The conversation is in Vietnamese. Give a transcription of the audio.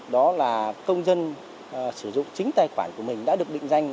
đó là công dân sử dụng chính tài khoản của mình đã được định danh